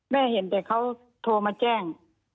แม่เห็นแต่เขาโทรมาแจ้ง